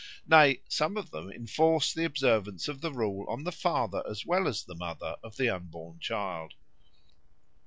Nay, some of them enforce the observance of the rule on the father as well as the mother of the unborn child.